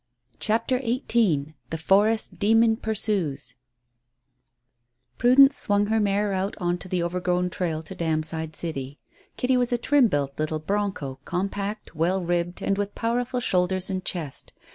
CHAPTER XVIII THE FOREST DEMON PURSUES Prudence swung her mare out on to the overgrown trail to Damside City. Kitty was a trim built little "broncho," compact, well ribbed, and with powerful shoulders and chest.